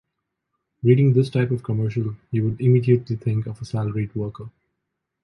Reading this type of commercial, you would immediately think of a salaried worker.